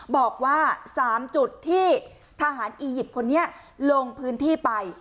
บอกว่า๓จุดที่ทหารอียิปต์คนนี้ลงพื้นที่ไป